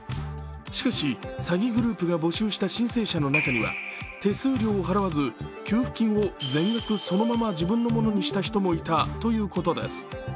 しかし詐欺グループが募集した申請者の中には手数料を払わず給付金を全額そのまま自分のものにした人もいたということです。